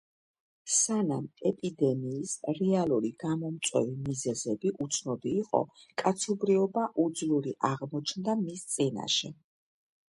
სანამ ეპიდემიის რეალური გამომწვევი მიზეზები უცნობი იყო, კაცობრიობა უძლური აღმოჩნდა მის წინაშე.